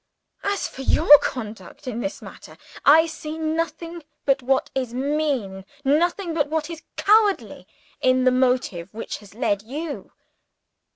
_ As for your conduct in this matter, I see nothing but what is mean, nothing but what is cowardly, in the motive which has led _you.